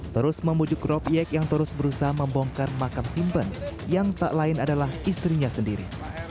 terus memujuk rob yek yang terus berusaha membongkar makam simpen yang tak lain adalah istrinya sendiri